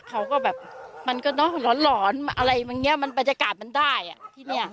เขาก็แบบมันก็ร้อนอะไรมันเนี่ยบรรยากาศมันได้อ่ะที่เนี่ย